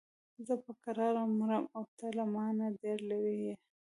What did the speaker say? زه په کراره مرم او ته له مانه ډېر لرې یې.